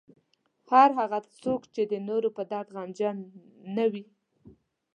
هر هغه څوک چې د نورو په درد غمجن نه وي.